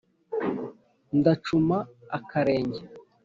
ndacuma akarenge!